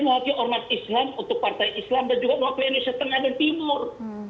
dia mau mengajar orang orang islam untuk partai islam dan juga mau ke indonesia tengah dan timur